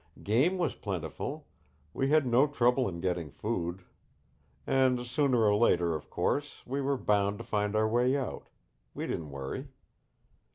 Game was plentiful. We had no trouble in getting food. And sooner or later, of course, we were bound to find our way out. We didn't worry.